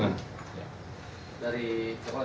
dari jawa dan radio bersinta